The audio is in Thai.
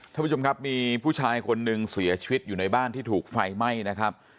ท่านผู้ชมครับมีผู้ชายคนหนึ่งเสียชีวิตอยู่ในบ้านที่ถูกไฟไหม้นะครับ